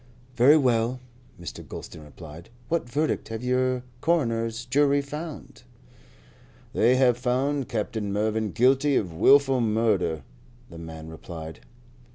"Very well," Mr. Gulston replied. "What verdict have the coroners jury found?" "They have found Captain Mervyn guilty of wilful murder," the man replied.